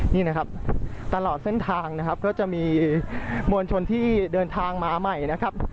นี่นะครับตลอดเส้นทางนะครับก็จะมีมวลชนที่เดินทางมาใหม่นะครับ